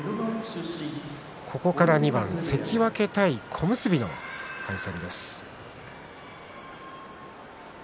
ここから２番関脇対小結の対戦です。